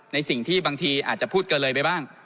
ในสิ่งที่บางทีอาจจะพูดเกินเลยไปบ้าง